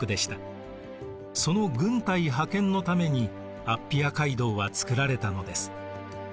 その軍隊派遣のためにアッピア街道はつくられたのです。